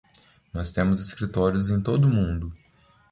Nós temos escritórios em todo o mundo.